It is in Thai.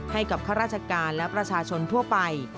ข้าราชการและประชาชนทั่วไป